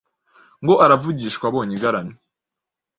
ngo aravugishwa abonye igaramye